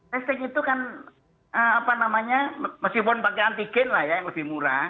testing itu kan apa namanya meskipun pakai antigen lah ya yang lebih murah